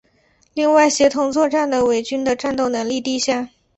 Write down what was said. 另外协同作战的伪军的战斗能力低下。